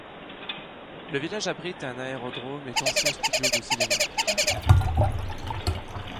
Le village abrite un aérodrome et d'anciens studios de cinéma.